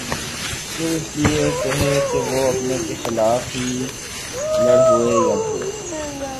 کیوں اس لیے کہہ وہ اپن کیخلاف ہی لڑ ہوئے ید ہوئے